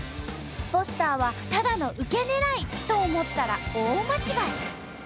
ポスターはただのウケねらいと思ったら大間違い！